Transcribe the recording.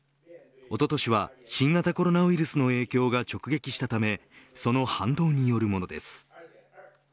おととしは新型コロナウイルスの影響が直撃したためその反動によるものです。